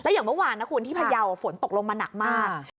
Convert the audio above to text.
อย่างเมื่อวานนะคุณที่พยาวฝนตกลงมาหนักมาก